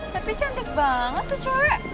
tapi cantik banget tuh core